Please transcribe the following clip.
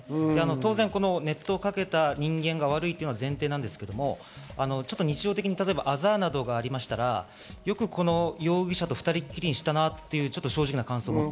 当然、熱湯をかけた人間が悪いのは前提ですけど、日常的に例えば、あざなどがありましたら、この容疑者とよく２人きりにしたなというのが正直な感想です。